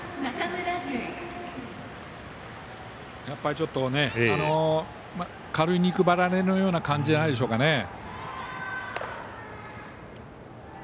やっぱりちょっと軽い肉離れのような感じじゃないでしょうかね。